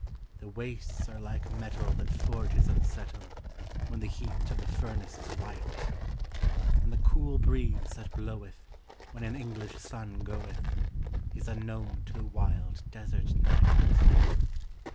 The wastes are like metal that forges unsettle When the heat of the furnace is white; And the cool breeze that bloweth when an English sun goeth, Is unknown to the wild desert night.